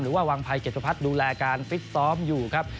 หรือว่าวางภัยเก็บพระพัฒน์ดูแลการฟิตซ้อมอยู่ครับ